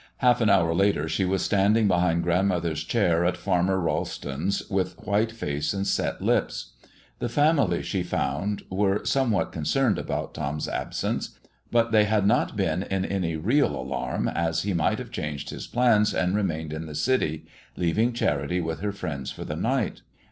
Half an hour later she was standing behind grandmother's chair at Farmer Ralston's with white face and set lips. The family, she found, were somewhat concerned about Tom's absence, but they had not been in any real alarm, as he might have changed his plans and remained in the city, leaving Charity with her friends for the night.